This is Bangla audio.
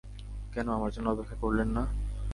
কেন আমার জন্য অপেক্ষা করলেন না?